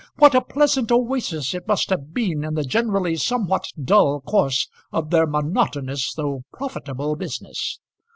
What a pleasant oasis it must have been in the generally somewhat dull course of their monotonous though profitable business!